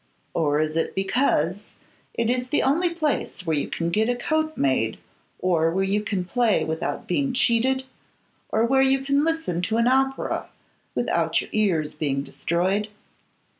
Or is it because it is the only place where you can get a coat made, or where you can play without being cheated, or where you can listen to an opera without your ears being destroyed?